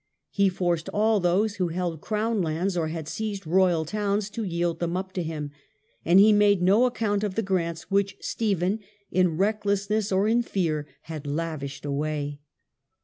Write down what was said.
He forced all those who held crown lands, or had seized royal towns, to yield them up to him, and he made no account of the grants which Stephen, in recklessness or in fear, had lavished away.